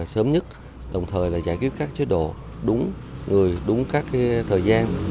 sớm nhất đồng thời là giải quyết các chế độ đúng người đúng các thời gian